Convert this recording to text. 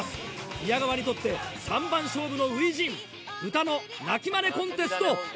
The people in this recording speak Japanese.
宮川にとって３番勝負の初陣豚の鳴きマネコンテスト！